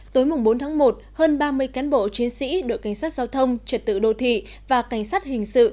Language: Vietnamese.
tối bốn tháng một hơn ba mươi cán bộ chiến sĩ đội cảnh sát giao thông trật tự đô thị và cảnh sát hình sự